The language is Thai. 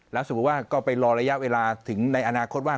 แล้วสมมุติว่าก็ไปรอระยะเวลาถึงในอนาคตว่า